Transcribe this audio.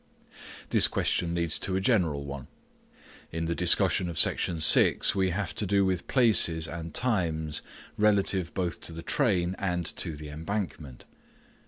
This question leads to a general one. In the discussion of Section 6 we have to do with places and times relative both to the train and to the embankment.